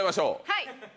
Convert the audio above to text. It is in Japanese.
はい！